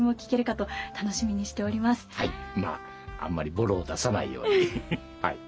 はいまああんまりボロを出さないようにはい。